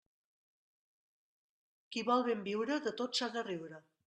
Qui vol ben viure, de tot s'ha de riure.